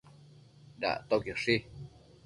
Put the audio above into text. Dactoquioshi